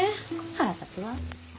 腹立つわ。